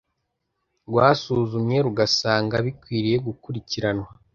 rwasuzumye rugasanga bikwiriye gukurikiranwa